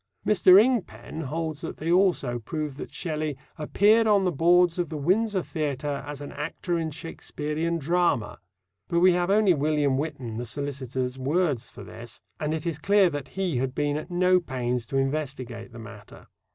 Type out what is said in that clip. Mr. Ingpen holds that they also prove that Shelley "appeared on the boards of the Windsor Theatre as an actor in Shakespearean drama." But we have only William Whitton, the solicitor's words for this, and it is clear that he had been at no pains to investigate the matter.